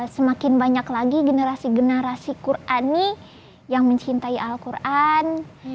semakin banyak lagi generasi generasi qur ani yang mencintai al qur an